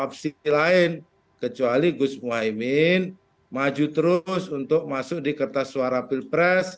jadi pkb tidak ada opsi lain kecuali gus muhaymin maju terus untuk masuk di kertas suara pilpres